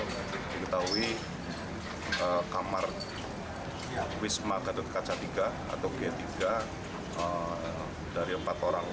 ketiga nanti diketahui kamar wisma gatot kaca tiga atau g tiga dari empat orang